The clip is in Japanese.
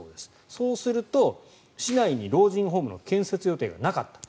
そうすると、市内に老人ホームの建設予定がなかった。